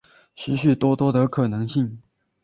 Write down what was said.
许许多多的可能性